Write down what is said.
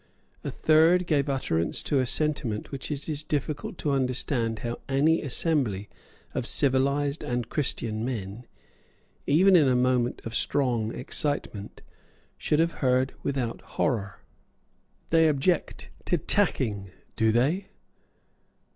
A third gave utterance to a sentiment which it is difficult to understand how any assembly of civilised and Christian men, even in a moment of strong excitement, should have heard without horror. "They object to tacking; do they?